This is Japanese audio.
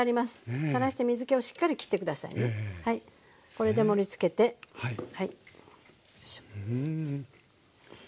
これで盛りつけてはいよいしょ。